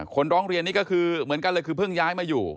ร้องเรียนนี่ก็คือเหมือนกันเลยคือเพิ่งย้ายมาอยู่